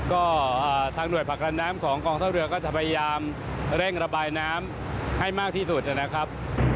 ก็ทางหน่วยผลักดันน้ำของกองทัพเรือก็จะพยายามเร่งระบายน้ำให้มากที่สุดนะครับ